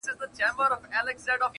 دا سودا سوه پر احسان چي احسان وینم,